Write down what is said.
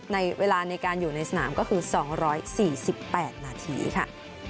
ในเวลาในการอยู่ในสนามก็คือ๒๔๘นาทีค่ะ